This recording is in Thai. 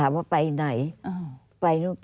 อันดับ๖๓๕จัดใช้วิจิตร